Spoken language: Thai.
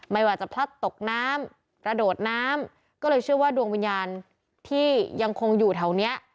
ไม่ว่าจะพลัดตกน้ำกระโดดน้ำก็เลยเชื่อว่าดวงวิญญาณที่ยังคงอยู่แถวเนี้ย